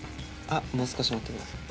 もう少し待ってください